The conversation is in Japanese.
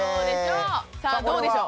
さあどうでしょう？